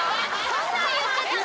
そんなん言ってたの？